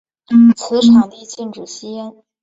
此场地禁止吸烟。